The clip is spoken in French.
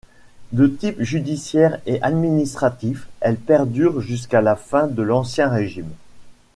De type judiciaire et administratif, elle perdure jusqu'à la fin de l'Ancien Régime.